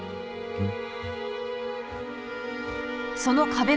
うん？